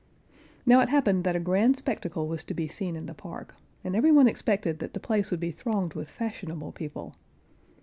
Now it happened that a grand spectacle was to be seen in the park, and every one expected that the place would be thronged with fashionable people.